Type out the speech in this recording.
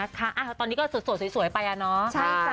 ตอนนี้ก็สวยไปอะเนาะ